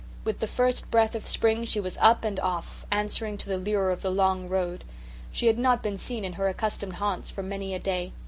With the first breath of spring she was up and off, answering to the lure of the long road. She had not been seen in her accustomed haunts for many a day.